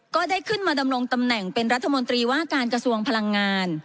ก็ได้ขึ้นมาดำรงตำแหน่งเป็นรัฐมนตรีว่าการกระทรวงพลังงาน